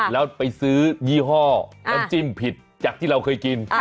แล้วไปซื้อยี่ห้อน้ำจิ้มผิดจากที่เราเคยกิน